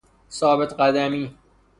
ثابت قدمی